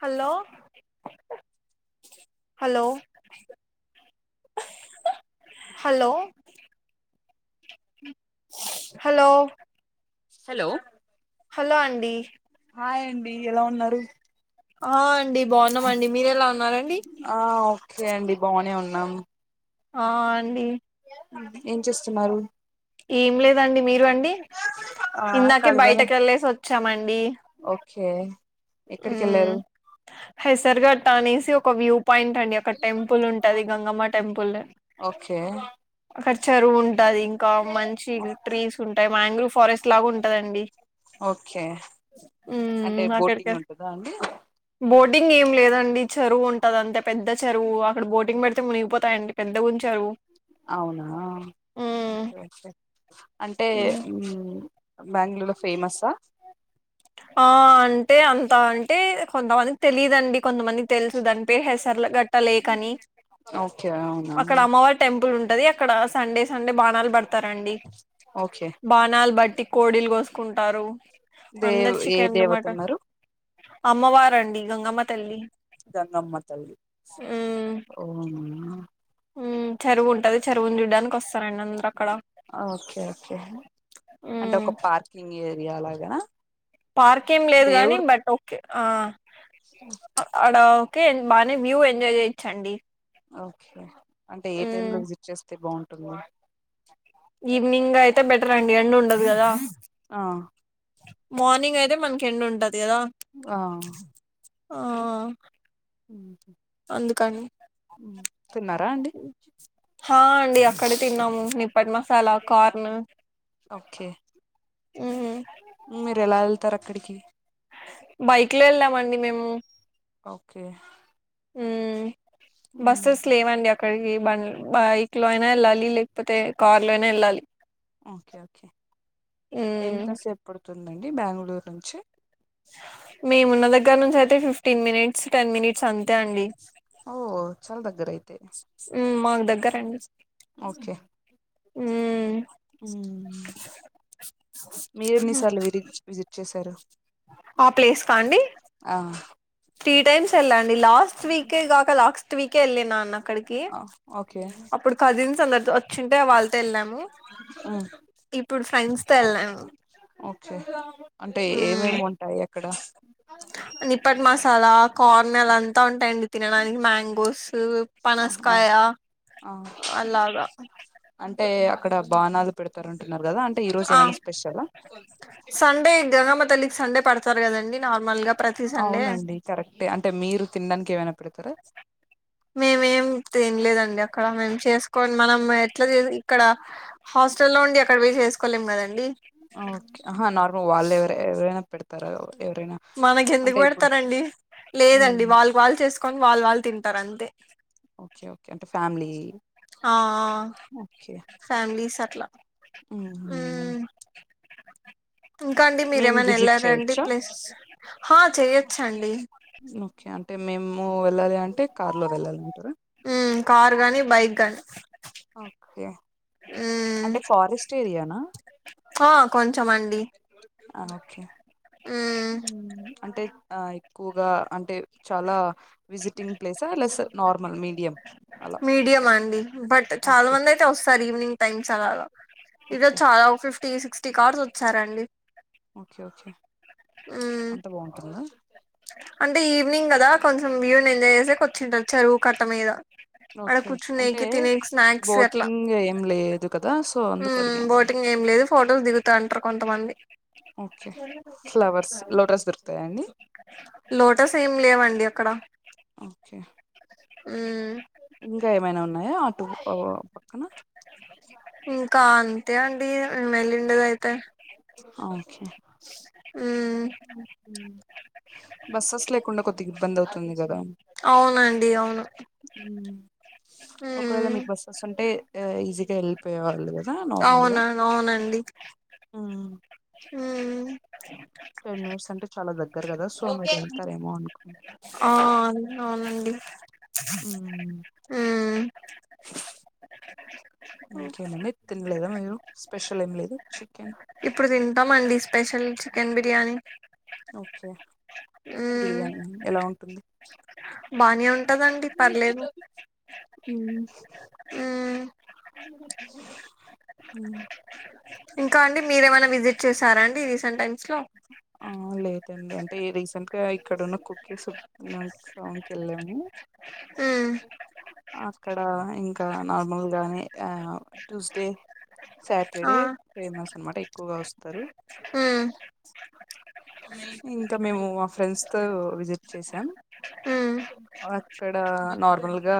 Hello [inaudible] hello [inaudible] hello [inaudible] hello hello hello అండి hi అండి ఎలా ఉన్నారు ఆ అండి బాగున్నామండి మీరెలా ఉన్నారండి ఆ ఓకే అండి బాగునే ఉన్నాం ఆ అండి ఏం చేస్తున్నారు ఏం లేదండి మీరు అండి ఆ ఇందాకే ఖాళీగానే బయటకి వెళ్లేసి వచ్చామండి ఓకే ఎక్కడికి వెళ్లారు హసర్గట్ అనేసి ఒక వ్యూ పాయింట్ అండి ఒక టెంపుల్ ఉంటది గంగమ్మ టెంపుల్ ఓకే అక్కడ చెరువు ఉంటది ఇంకా మంచి ట్రీస్ ఉంటాయి. మాయాంగ్రూవ్ ఫారెస్ట్ లాగా ఉంటదండి. ఓకే అంటే అక్కడికి బోటింగ్ ఉంటదా అండి బోటింగ్ ఏం లేదండి చెరువు ఉంటది అంతే పెద్ద చెరువు అక్కడ బోటింగ్ పెడితే మునిగిపోతాయండి. ఎంత ఉంచారువు అవునా అంటే ఉ బ్యాంగ్లూరు లో ఫేమసా ఆ అంటే అంత అంటే కొంతమందికి తెలియదండి కొంతమంది తెలుసు దని పే హసర్ల గట్ట లేక అని ఓకే అవునా అక్కడ అమ్మవ టెంపుల్ ఉంటది అక్కడ సండే సండే బాణాలు పడతారండి. ఓకే బాణాలు బట్టి కోడీలు కోసుకుంటారు. దేవ్ అందరు ఏ చికెన్లు, దేవత మటన్ ఉన్నారు అమ్మవారండి గంగమ్మ తల్లి గాంగమ్మ తల్లి ఓం ఉ చెరువుంటది చెరువుని చూడ్డానికి వస్తారండి అందరు అక్కడ ఓకే ఊ కింగ్ ఏరియా లాగానా పార్క్ ఏం లేదు గాని దేవుడికి బట్ ఓకే ఆ అడ ఓకే బాగానే వ్యూ ఎంజాయ్ చేయోచ్చండి. ఓకే అంటే ఏ టైమ్ లో విజిట్ చేస్తే బాగుంటుంది. ఈవినింగ్ అయితే బెటర్ అండి ఎండ ఉండదు కదా ఆ మార్నింగ్ అయితే మనకి ఎండ ఉంటది కదా ఆ ఆ ఊ అందుకని తిన్నారా అండి హా అండి అక్కడే తిన్నాము నిప్పు పట్ మసాలా కార్న్ ఓకే ఊ మీరు ఎలా వెళ్తారు అక్కడికి బైక్ ల వెళ్ళమండి మేము ఓకే ఊ బస్సెస్ హ్మ్. లేవండి అ అక్కడికి బం బైక్ లో అయినా వెళ్ళాలి లేకపోతే కార్ లో అయినా వెళ్ళాలి. ఓకే ఓకే మ్మ్ ఎంతసేపు పడుతుందండి బెంగళూరు నుంచి మేమున్న దగ్గర నుంచి అయితే ఫిఫ్టీన్ మినిట్స్ టెన్ మినిట్స్ అంతే అండి. ఓ చాల దగ్గరైతే ఊ మాకు దగ్గరండి ఓకే హ్మ్ హ్మ్ మీరెన్ని సార్లు విడిట్ విజిట్ చేశారు ఆ ప్లేస్ కా అండి ఆ త్రీ టైమ్స్ వెళ్ళండి లాస్ట్ వీకే కాక లాక్స్ట్ వీకే వెళ్ళిన అన్న. అక్కడికి ఆ! ఓకే అప్పుడు కజిన్స్ అందరితో వచ్చింటే వాళ్ళ వెళ్ళాము హ్మ్. ఇప్పుడు ఫ్రెండ్స్ తో వెళ్ళాము ఓకే అంటే ఏమేమి ఉంటాయి ఎక్కడ ని పట్ మసాల కార్నలు అంతా ఉంటాయండి తినడానికి మ్యాంగోసు పనస్ ఆహా కాయ ఆ అలాగా అంటే అక్కడ బానాలు పెడతారు అంటున్నారు కదా అంటే ఈ రోజు ఆ ఏమైనా స్పెషలా సండే గంగమ్మ తల్లికి సండే పడతారు కదండి నార్మల్ గా ప్రతి సండే అవునండి కరెక్టే అంటే మీరు తినడానికి ఏమైనా పెడతారా మేమేం తినలేదండి అక్కడ మేము చేసుకోని మనం ఎట్లా చేసి ఇక్కడ హాస్టల్లో ఉండి అక్కడ పోయి చేసుకోలేం కదండి. ఓకే ఆహా నార్మల్ వాళ్ళ ఎవరు ఎవరైనా పెడతారా ఎవరైనా మనకి అంటే ఎందుకు ఇప్పుడు పెడతారండి లేదండి హ్మ్. వాళ్ళకి వాళ్ళు చేసుకొని వాళ్ళు వాళ్ళు తింటారు అంతే ఓకే ఓకే అంటే ఫ్యామిలీ ఆ ఆ ఓకే ఫ్యామిలీస్ అట్లా హుహు. హమ్ ఇంకా అండి మేము మీరేమైనా విజిట్ వెళ్లారండి చేయొచ్చా ప్లేసేస్ హా చెయొచ్చండి. ఓకే అంటే మేము వెళ్ళాలి అంటే కార్ లో వెళ్ళాలి అంటారు హ్మ్మ్ కార్ గాని బైక్ గాని ఓకే మ్మ్ అంటే ఫారెస్ట్ ఏరియానా ఆ కొంచెం అండి అ ఒకే మ్మ్ అంటే ఆ ఎక్కువగా అంటే చాలా విజిటింగ్ ప్లేస్ ఆ లేక నార్మల్ మీడియమ్ మీడియం అండి బట్ చాలా ఓకే మంది అయితే వస్తారు ఈవినింగ్ టైమ్స్ అలాగా ఈ రోజు ఓకే చాలా ఫిఫ్టీ సిక్స్టీ కార్స్ వచ్చారండి ఓకే ఓకే మ్మ్ అంత బాగుంటుందా అంటే ఈవినింగ్ గదా కొంచెం వ్యూనేంజాయ్ చేసే కొచ్చింటారు చెరువు కట్ట మీద ఆడ ఓకే ఓకే అంటే కూర్చునేకి తినేకి స్నాక్స్ అట్లా బోటింగ్ ఏం లేదు కదా సో అందుకు మ్మ్ అడిగాను బోటింగ్ ఏం లేదు ఫొటోస్ దిగుతంటరు కొంతమంది. ఓకే ఫ్లవర్స్ లోటస్ దొరుతాయా అండి లోటస్ ఏం లేవండి అక్కడ ఓకే ఉ ఇంకా ఏమైనా ఉన్నాయా అటు పక్కన ఇంకా అంతే అండి మమ్మెల్లిండేదయితే ఓకే హమ్ బస్సస్ లేకుండా కొద్దిగా ఇబ్బంది అవుతుంది కదా అవునండి అవును హమ్ బస్ంటే ఈజీగా వెళ్ళిపోయేవాళ్ళు కదా నార్మల్గా అవునా హమ్ టెన్ మినిట్స్ అంటే చాలా దగ్గర కదా మీరు వెళ్తారు ఏమో సో అనుకో ఆ అవునండి హమ్ ఓకేనండి తినలేదా మీరు స్పెషల్ ఏం లేదు చికెన్ ఇప్పుడు తింటామండి స్పెషల్ చికెన్ బిర్యానీ ఓకే ఉమ్ బిర్యానీ ఎలా ఉంటుంది బానే ఉంది ఉమ్ ఉమ్ ఊ ఇంకా అండి మీరేమైనా విసిట్ చేసారా అండి రీసెంట్ టై ఆ లేదండి అంటే రీసెంట్ గా ఇక్కడున్న కుక్కే సు అన్నానికి సాంగ్కి ఎళ్ళాము ఉమ్ అక్కడ ఇంకా నార్మల్ గానే ఆ ట్యూస్డే ఆ సాటర్డే ఫేమస్ అనమాట ఎక్కువగా వస్తారు ఊ ఇంకా మేము మా ఫ్రెండ్స్ తో విసిట్ చేసాం ఉమ్ అక్కడ నార్మల్ గా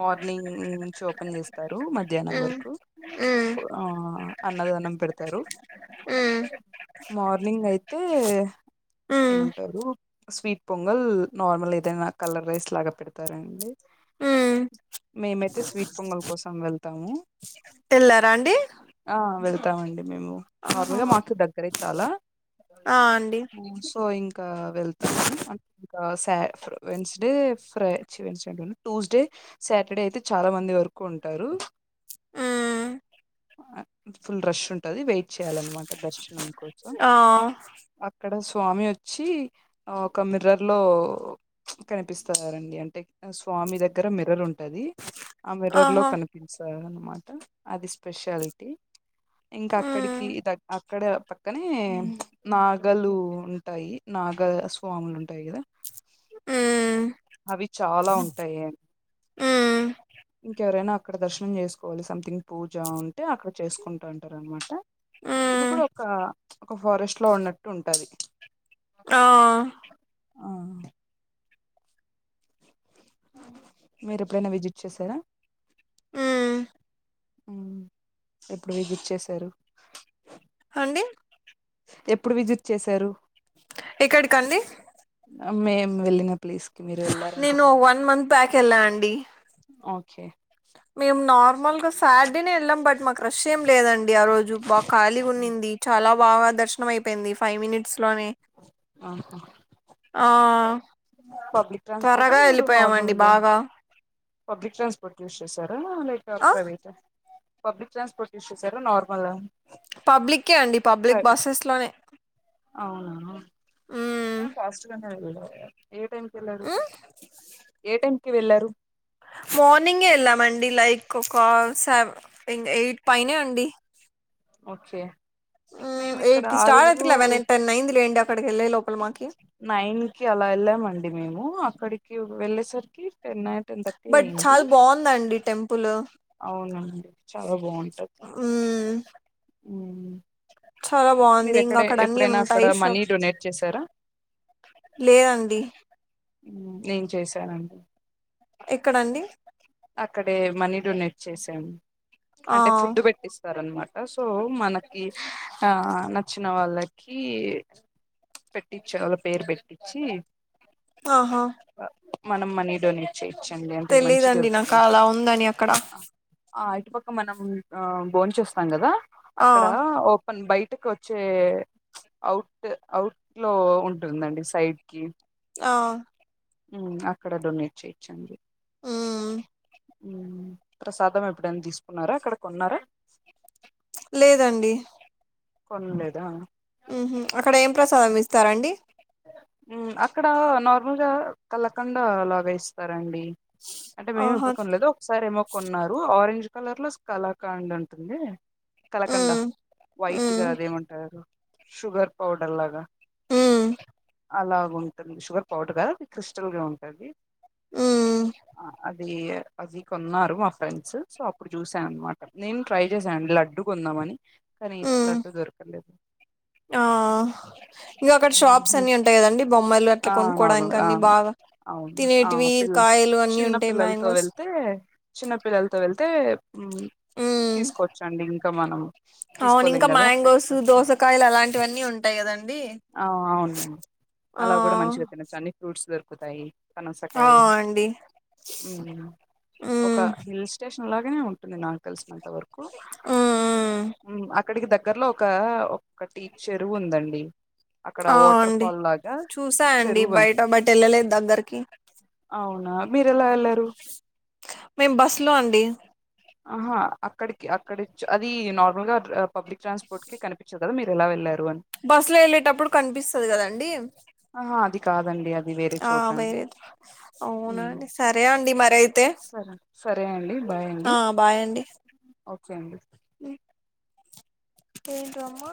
మార్నింగ్ నుంచి ఓపెన్ చేస్ తారు మధ్యాహ్నం ఉమ్ వరకు ఉమ్ ఫు అన్నదానం పెడతారు ఉమ్ మార్నింగ్ అయితే ఉమ్ ఏమంటారు స్వీట్ పొంగల్ నార్మల్ ఏదైనా కలర్ రైస్ లాగా పెడతారండి ఉమ్ మేమైతే స్వీట్ పొంగల్ కోసం వెళ్తాము తెళ్లారా అండి ఆ వెళ్తామండి మేము ఆహా నార్మల్గా మాకు దగ్గరే చాలా ఆ అండి సో ఇంకా వెళ్ తాము ఇంక సా వెన్స్డే ఫ్రై ఛీ వెన్స్ ట్యూస్డే సాటర్డే అయితే చాలా మంది వరకు ఉంటారు ఫుల్ రష్ ఉంటది వెయిట్ చేయాలన్నమాట దర్శనం కోసం అక్కడ స్వామి వచ్చి ఒక మిర్రర్ లో కనిపిస్తారండి అంటే స్వామి దగ్గర మిరర్ ఉంటది ఆ మిర్రర్ లో కని పిన్సాయి అన్నమాట అది స్పెషాలిటీ ఇంకా అక్కడికి దగ్ అక్కడ పక్కనే నాగలు ఉంటాయి నాగస్వాములు ఉంటాయి కదా అవి చాలా ఉంటాయే హ్మ్. ఇంకెవరైనా అక్కడ దర్శనం చేసుకోవాలి సంథింగ్ పూజ ఉంటే అక్కడ చేసుకుంటా ఉంటారనమాట ఇది హ్మ్. కూడా ఒక్క ఒక ఫారెస్ట్ లో ఉన్నట్టు ఉంటది ఆ ఆ మీరు ఎప్పుడైనా విజిట్ చేసారా హ్మ్. ఉమ్ ఎప్పుడు విజట్ చేసారు అండి ఎప్పుడు విజిట్ చేశారు ఎక్కడికండి ఆ మేం వెళ్ళిన ప్లేస్ కి మీరు వెళ్ళా నేను వన్ మంత్ బ్యాక్ ఎళ్ళా అండి ఓకే మేము నార్మల్గా సాట్డేనే వెళ్ళాం బట్ మాకు రష్ ఏం లేదండి ఆ రోజు బాగా ఖాళీగా ఉన్నింది చాలా బాగా దర్శనం అయిపోయింది ఫైవ్ మినిట్స్ లోనే ఆహా ఆ పబ్లిక్ ట్రాన్స్పోర్ట్ త్వరగా మీరు వెళ్ళిపోయామండి నార్మల్గా బాగా. పబ్లిక్ ట్రాన్స్పోర్ట్ యూస్ చేశారా లేకా ఆ! ప్రైవేటా పబ్లిక్ ట్రాన్స్పోర్ట్ యూస్ చేసారా నార్మల్ ఆ పబ్లికే అండి పబ్లిక్ బస్సెస్ లోనే అవునాను హ్మ్. అ ఫాస్ట్గానే వెళ్ళడు ఏ టైంకి వెళ్ళారు హ్మ్. ఏ టైం కి వెళ్ళారు మార్నింగే వెళ్ళామండి లైక్ ఒక సేవ్ ఎయిట్ పైనే అండి ఓకే మేము ఇక్కడ ఎయిట్ క ఆ స్టార్ అయితే రోజు లెవెన్ టెన్ నైన్్ లేండి అక్కడికి వెళ్ళే లోపల మాకి నైన్ కి అలా వెళ్ళాము అండి మేము అక్కడికి వెళ్ళేసరికి టెనై బట్ చాలా బాగుందండి టెంపుల్ అవునండి చాలా బాగుంటది మ్ మ్ చాలా బాగుంది ఇంగ అక్కడ అన్నిీ అక్కడ మనీ ఉంటాయిషప్ డొనేట్ చేశారా లేదండి డ్లిన్ చేశానండి ఎక్కడండి అక్కడే మనీ డొనేట్ చేసాం ఆ అంటే ఫుడ్ పెట్టేస్తా స్తరన్నమాట సో మనకి ఆ నచ్చిన వాళ్ళకి పెట్టించ్చే వాళ్ళ పేరు పెట్టించి ఆహా మనం మనీ డొనేట్ చేయోచ్చండి అంటే మంచి తెలీదండి నాకు జరుగుతుంది అలా ఉందని అక్కడ ఆ ఇటుపక్క మనం ఆ బోన్ంచి వస్తాం కదా ఆ అక్కడ ఓ ను బయటకు వచ్చే అవుట్ అవుట్ లో ఉంటుందండి సైడ్ కి ఆ మ్ అక్కడ డొనేట్ చేయోచండి మ్ ప్రసాదం ఎప్పుడైనా తీసుకున్నారా అక్కడకి కొన్నారా లేదండి కొనలేదా మ్ హు అక్కడ ఏం ప్రసాదం ఇస్తారండి మ్ అక్కడ నార్మల్గా కల్లకొండ లాగా ఇస్తారండి అంటే మేము ఆహా ఎప్పుడుకోనలేదు సార్ేమో కొన్నారు ఆరెంజ్ కలర్ లో స్ కలాకాండ్ ఉంటుంది కలకండ ఉమ్ వైట్ ఉమ్ గా అదేమంటారు షుగర్ పౌడర్ లాగా మ్ అలాగ ఉంటుంది షుగర్ పౌడర్ గా అది క్రిస్టల్గా ఉంటుంది ఉమ్ అ అది అది కొన్నారు మా ఫ్రెండ్స్ సో అప్పుడు చూసాను అనమాట నేను ట్రై చేసాను లడ్ డ్డు కొందామని కానీ ఉమ్ లడ్డు దొరకలేదు ఆ ఇంకా అక్కడ షాప్స్ ఉహు. అన్ని ఉం టయి కదండి బొమ్మాయిలు అట్లా ఆ నార్మల్ కొనుక్కవడానికి ఆ అన్ని బాగా అవును ఆ తినేటివి పిల్లల్ కాయలు అన్ని చిన్న ఉంటాయి పిల్లలతో మ్యాంగోస్ వెళ్తే చిన్నపిిల్లలతో వెళ్తే ఉమ్ తీసుకోవచ్చండి ఇంకా మనం అవును తీసుకోలేం ఇంకా కదా మ్యాంగోస్ పెద్ద దోసకాయలు అలాంటివన్నీ ఉంటాయి కదండి ఆ అవునండి ఆ అలా కూడా మంచిగా తినచ్చు అన్ని ఫ్రూట్స్ దొరుకుతాయి ఆ కనసకాయ అండి ఒక ఉమ్ హిల్స్ స్టేషన్ లాగానే ఉంటుంది నాకు తెలిసినంత వరకు ఉమ్ ఉమ్. అక్కడికి దగ్గర్లో ఒక ఒకటి చెరువు ఉందండి అక్కడ అ వాటర్ అండి ఫాల్ లాగా చూసాయండి చెరువు ఉంది. బయట బట్ వెళ్ళలేదు దగ్గరకి అవునా మీరెలా ఎల్లారు మేము బస్సు లో అండి ఆహా అక్కడికి అక్కడచ్చ అది నార్మల్ గా పబ్లిక్ ట్రాన్స్పోర్ట్ కి కనిపించదు కదా మీరు ఎలా వెళ్ళారు అని బస్సు లో వెళ్ళేటప్పుడు కనిపిస్తుంది కదండి ఆహా అది కాదండి అది వేరే ఆ చోట అండి వేరే మ్మ్ అవునండి సరే అండి మరయితే సరే సరే అండి బాయ్ అండి అండి ఓకే అండి ఏంటో అమ్మ